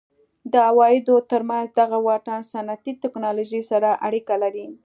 د عوایدو ترمنځ دغه واټن صنعتي ټکنالوژۍ سره اړیکه لري.